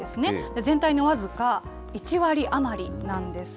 全体の僅か１割余りなんです。